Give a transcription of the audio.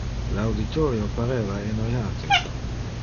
Le auditorio pareva enoiate.